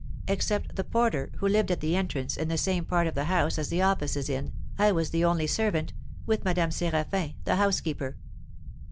Except the porter who lived at the entrance, in the same part of the house as the office is in, I was the only servant, with Madame Séraphin, the housekeeper.